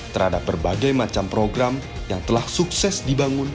terhadap berbagai macam program yang telah sukses dibangun